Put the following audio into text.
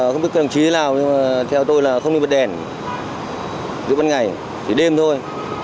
không biết cơ đồng chí nào nhưng theo tôi là không đi bật đèn bật đèn ban ngày chỉ đêm thôi